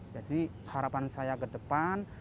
jadi harapan saya ke depan